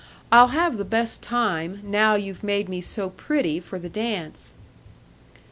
I'll have the best time, now you've made me so pretty for the dance."